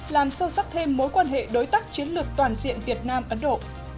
làm sâu sắc thêm mối quan hệ đối tác chiến lược toàn diện việt nam ấn độ